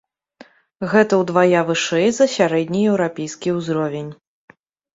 Гэта ўдвая вышэй за сярэднееўрапейскі ўзровень.